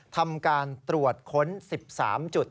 ทำการตรวจค้น๑๓จุด